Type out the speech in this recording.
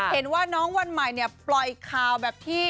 เห็นว่าน้องวันใหม่เนี่ยปล่อยข่าวแบบที่